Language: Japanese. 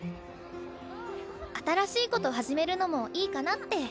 新しいこと始めるのもいいかなって。